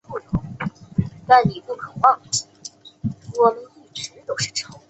然前者却因专利与商标问题被迫更名。